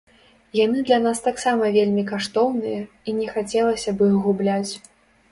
Яны для нас таксама вельмі каштоўныя і не хацелася б іх губляць.